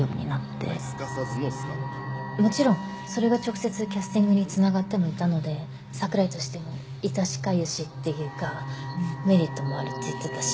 もちろんそれが直接キャスティングにつながってもいたので櫻井としても痛しかゆしっていうかメリットもあるって言ってたし。